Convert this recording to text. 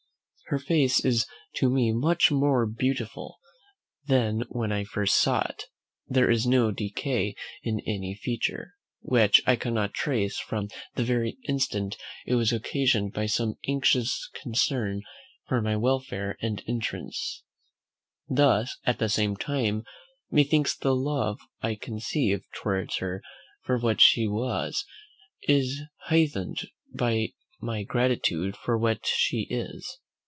Her face is to me much more beautiful than when I first saw it; there is no decay in any feature, which I cannot trace from the very instant it was occasioned by some anxious concern for my welfare and interests. Thus, at the same time, methinks, the love I conceived towards her for what she was, is heightened by my gratitude for what she is.